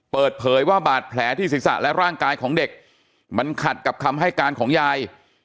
เปิดเผยว่าบาดแผลที่ศีรษะและร่างกายของเด็กมันขัดกับคำให้การของยาย